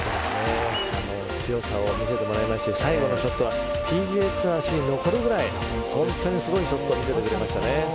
強さを見せてもらいまして最後のショットはＰＧＡツアー史に残るぐらい本当にすごいショットを見せてくれましたね。